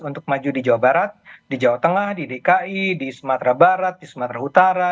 untuk maju di jawa barat di jawa tengah di dki di sumatera barat di sumatera utara